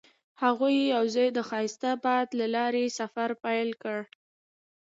هغوی یوځای د ښایسته باد له لارې سفر پیل کړ.